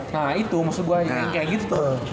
nah itu maksud gue kayak gitu